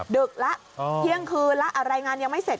ดึกแล้วเที่ยงคืนแล้วอะไรงานยังไม่เสร็จ